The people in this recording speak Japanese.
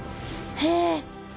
へえ！